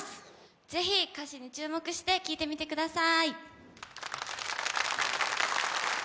ぜひ、歌詞に注目して聴いてみてください。